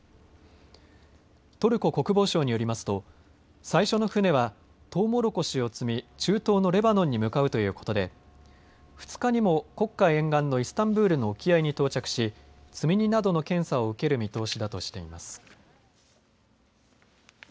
トルコ国防省によりますと最初の船はトウモロコシを積み中東のレバノンに向かうということで２日にも黒海沿岸のイスタンブールの沖合に到着し積み荷などの検査を受ける見通しだとしています。